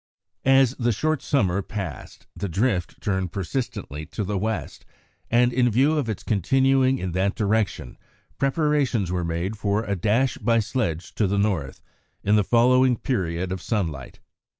As the short summer passed, the drift turned persistently to the west, and in view of its continuing in that direction, preparations were made for a dash by sledge to the North in the following period of sunlight.